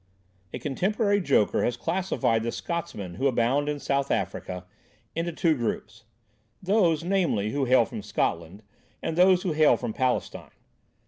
A contemporary joker has classified the Scotsmen who abound in South Africa into two groups: those, namely, who hail from Scotland, and those who hail from Palestine.